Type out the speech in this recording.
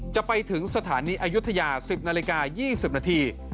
จะไปถึงสถานีอายุทยา๑๐นาฬิกา๒๐นาที